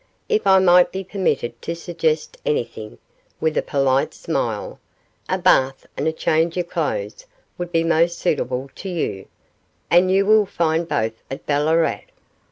If I might be permitted to suggest anything,' with a polite smile, 'a bath and a change of clothes would be most suitable to you, and you will find both at Ballarat.